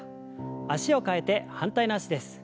脚を替えて反対の脚です。